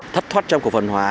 thất thoát trong cổ phân hóa